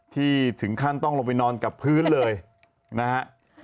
ที่ถึงขั้นต้องลงไปนอนกับพื้นเลยนะฮะ